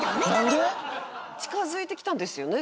近づいてきたんですよね？